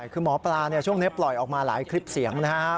คือหมอปลาช่วงนี้ปล่อยออกมาหลายคลิปเสียงนะครับ